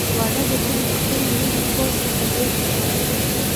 واړه بچیان له خپل نوي کور څخه ډیر خوشحاله وو